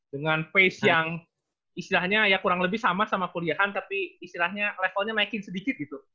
dengan face yang istilahnya ya kurang lebih sama sama kuliahan tapi istilahnya levelnya naikin sedikit gitu